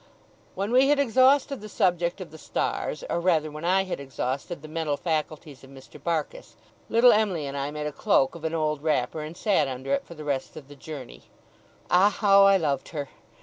When we had exhausted the subject of the stars, or rather when I had exhausted the mental faculties of Mr. Barkis, little Em'ly and I made a cloak of an old wrapper, and sat under it for the rest of the journey. Ah, how I loved her!